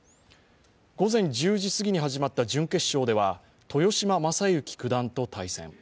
午前１０時過ぎに始まった準決勝では豊島将之九段と対戦。